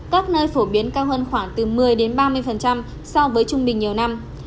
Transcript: các nơi phổ biến cao hơn khoảng từ một mươi ba mươi so với trung bình nhiều năm